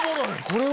これ。